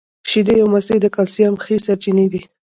شیدې او مستې د کلسیم ښې سرچینې دي